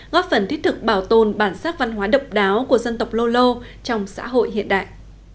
góp phần thiết thực bảo tồn bản sắc văn hóa độc đáo của dân tộc lô lô trong xã hội hiện đại